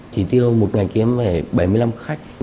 chỉ tiêu một ngày kiếm bảy mươi năm khách